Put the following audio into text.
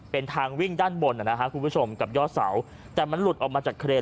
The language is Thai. เป็นทางวิ่งด้านบนนะครับคุณผู้ชมกับยอดเสาแต่มันหลุดออกมาจากเครน